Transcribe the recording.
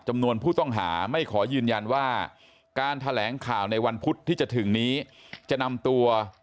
จำนวนผู้ต้องหาไม่ขอยืนยันว่าการแถลงข่าวในวันพุธที่จะถึงนี้จะนำตัว